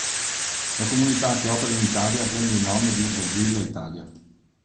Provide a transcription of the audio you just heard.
La comunità che opera in Italia prende il nome di Mozilla Italia.